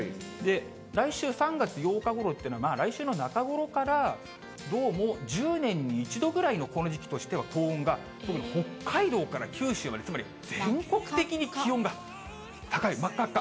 来週３月８日ごろっていうのは、まあ来週の中ごろから、どうも１０年に１度ぐらいのこの時期としては高温が、北海道から九州まで、つまり全国的に気温が高い、真っ赤っか。